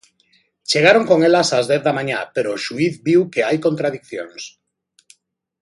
Chegaron con elas ás dez da mañá pero o xuíz viu que hai contradicións.